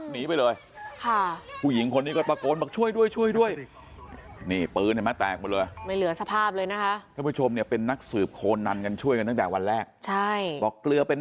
เนี่ยรายเดอร์ก็